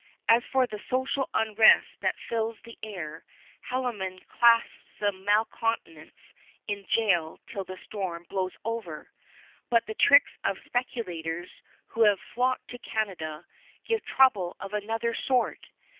As for the social unrest that fills the air, Haldimand claps the malcontents in jail till the storm blows over; but the tricks of speculators, who have flocked to Canada, give trouble of another sort.